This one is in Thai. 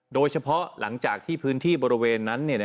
โดยเฉพาะหลังจากที่พื้นที่บริเวณนั้น